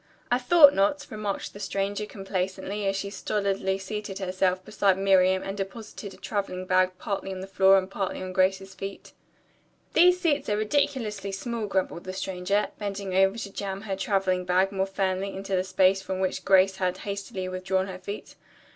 "I thought not," remarked the stranger complacently as she stolidly seated herself beside Miriam and deposited a traveling bag partly on the floor and partly on Grace's feet. "These seats are ridiculously small," grumbled the stranger, bending over to jam her traveling bag more firmly into the space from which Grace had hastily withdrawn her feet.